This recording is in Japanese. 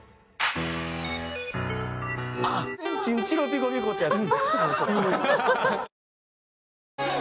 チンチロピコピコっていうやつ。